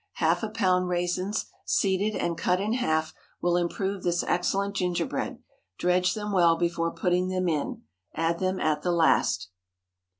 Half a pound raisins, seeded and cut in half, will improve this excellent gingerbread. Dredge them well before putting them in. Add them at the last.